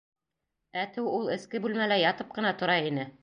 Әтеү ул эске бүлмәлә ятып ҡына тора ине.